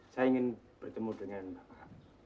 saya ingin bertemu dengan bapak